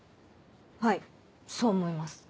はいそう思います。